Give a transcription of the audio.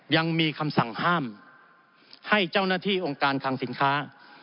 ยังมีคำสั่งห้ามให้เจ้าหน้าที่องค์การคังสินค้า